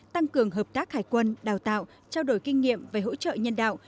tăng cường hợp tác hải quân đào tạo trao đổi kinh nghiệm về hỗ trợ nhân đạo